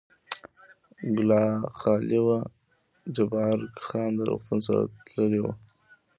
کلا خالي وه، جبار خان د روغتون سره تللی و.